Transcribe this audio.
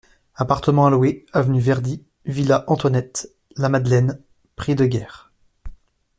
Appartement à louer, avenue Verdi, villa Antoinette, La Madeleine, prix de guerre.